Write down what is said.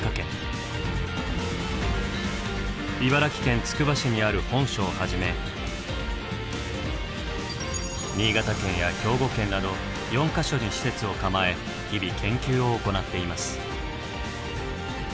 茨城県つくば市にある本所をはじめ新潟県や兵庫県など４か所に施設を構え日々研究を行っています。